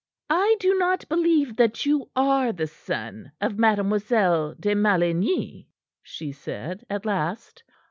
"I do not believe that you are the son of Mademoiselle de Maligny," she said at last.